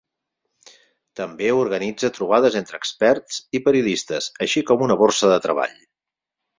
També organitza trobades entre experts i periodistes, així com una borsa de treball.